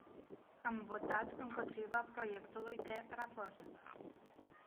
Am votat împotriva proiectului de raport..